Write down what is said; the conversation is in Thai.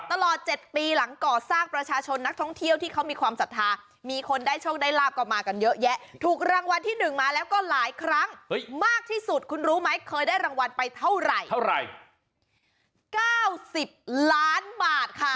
ตลอด๗ปีหลังก่อสร้างประชาชนนักท่องเที่ยวที่เขามีความศรัทธามีคนได้โชคได้ลาบก็มากันเยอะแยะถูกรางวัลที่๑มาแล้วก็หลายครั้งมากที่สุดคุณรู้ไหมเคยได้รางวัลไปเท่าไหร่เท่าไหร่๙๐ล้านบาทค่ะ